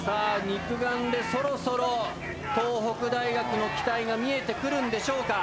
肉眼でそろそろ東北大学の機体が見えてくるんでしょうか。